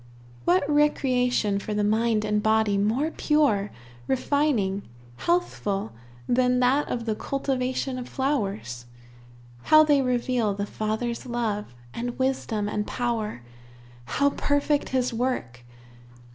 What recreation for the mind and body more pure, refining, healthful, than that of the cultivation of flowers? How they reveal the Father's love, and wisdom, and power! How perfect his work!